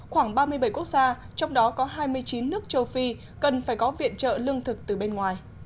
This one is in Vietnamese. khoảng ba mươi bảy quốc gia trong đó có hai mươi chín nước châu phi cần phải có viện trợ lương thực từ bên ngoài